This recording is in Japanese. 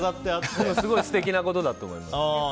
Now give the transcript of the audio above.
すごい素敵なことだと思います。